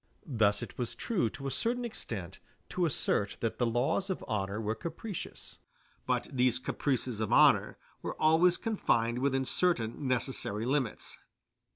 Thus it was true to a certain extent to assert that the laws of honor were capricious; but these caprices of honor were always confined within certain necessary limits.